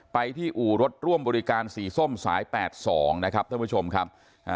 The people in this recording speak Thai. ไปที่อู่รถร่วมบริการสีส้มสาย๘๒นะครับท่านผู้ชมครับ